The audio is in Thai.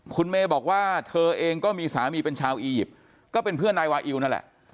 คุณเมย์บอกว่าเธอเองก็มีสามีเป็นชาวอียิปต์ก็เป็นเพื่อนนายวาอิวนั่นแหละ